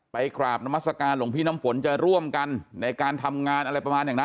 ไปกราบนามัศกาลหลวงพี่น้ำฝนจะร่วมกันในการทำงานอะไรประมาณอย่างนั้น